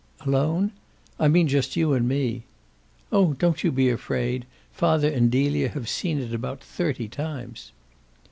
"Alone?" "I mean just you and me." "Oh don't you be afraid! Father and Delia have seen it about thirty times."